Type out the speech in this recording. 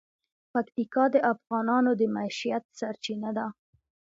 پکتیکا د افغانانو د معیشت سرچینه ده.